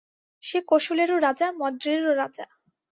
সে কোশলেরও রাজা, মদ্রেরও রাজা।